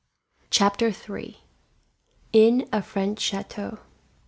Chapter 3: In A French Chateau.